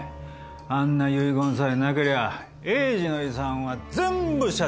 あんな遺言さえなけりゃ栄治の遺産は全部社長のもんなんだ。